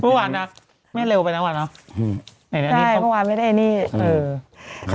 เมื่อวานท่ะไม่แล้วไปนะว่าน่ะอื้มหแหมพอว่าไม่ได้นี่อื้อ